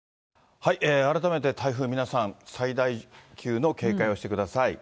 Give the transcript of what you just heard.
改めて台風、皆さん、最大級の警戒をしてください。